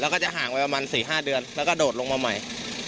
แล้วก็จะห่างไปประมาณ๔๕เดือนแล้วก็โดดลงมาใหม่